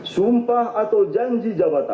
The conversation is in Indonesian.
sumpah atau janji